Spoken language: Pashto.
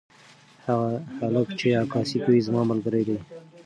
هغه هلک چې عکاسي کوي زما ملګری دی.